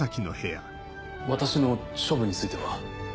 私の処分については？